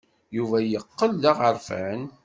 Yuba yeqqel d aɣerfan.